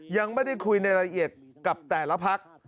ยังไม่ได้คุยในรายละเอียดกับแต่ละพัก